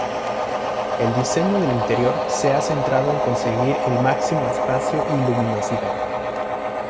El diseño del interior se ha centrado en conseguir el máximo espacio y luminosidad.